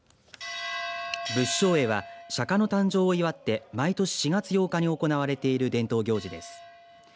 仏生会は釈迦の誕生を祝って毎年４月８日に行われている伝統行事です。